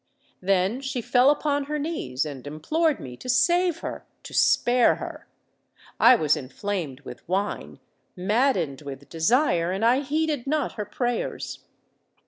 Then she fell upon her knees, and implored me to save her—to spare her. I was inflamed with wine—maddened with desire; and I heeded not her prayers.